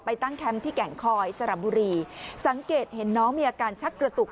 ตั้งแคมป์ที่แก่งคอยสระบุรีสังเกตเห็นน้องมีอาการชักกระตุก